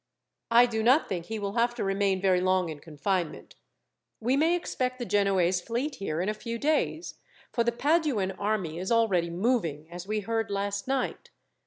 "I do not think he will have to remain very long in confinement. We may expect the Genoese fleet here in a few days, for the Paduan army is already moving, as we heard last night.